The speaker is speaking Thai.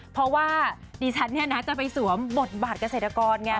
เพราะว่าดิฉันเนี่ยนะจะไปสวมบทบาทเกษตรกรไง